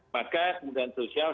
maka kemudian sosial